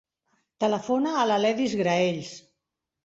Telefona a l'Aledis Graells.